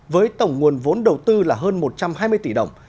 với tổng nguồn vốn đầu tư là hơn một trăm hai mươi tỷ đồng